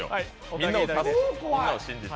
みんなを信じて。